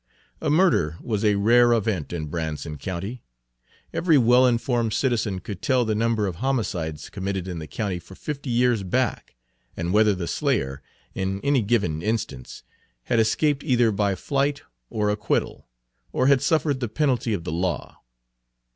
A murder was a rare event in Branson County. Every well informed citizen could tell the number of homicides committed in the county for fifty years back, and whether the slayer, in any given instance, had escaped either by flight or acquittal, or had suffered the penalty of the law.